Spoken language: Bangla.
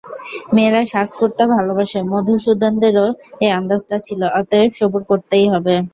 মেয়েরা সাজ করতে ভালোবাসে মধুসূদনেরও এ আন্দাজটা ছিল, অতএব সবুর করতেই হবে।